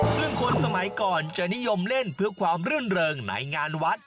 ซึ่งคนสมัยก่อนจะนิยมเล่นเพื่อความรื่นเริงในงานวัด